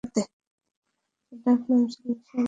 তার ডাকনাম ছিল শ্যামসুন্দর মুন্সী।